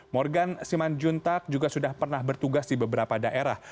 morgan simanjuntak juga sudah pernah bertugas di beberapa daerah